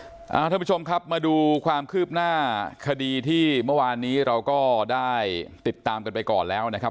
ท่านผู้ชมครับมาดูความคืบหน้าคดีที่เมื่อวานนี้เราก็ได้ติดตามกันไปก่อนแล้วนะครับ